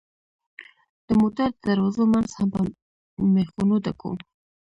د موټر د دروازو منځ هم په مېخونو ډکوو.